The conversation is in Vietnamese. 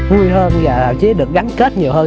vui hơn và thậm chí được gắn kết nhiều hơn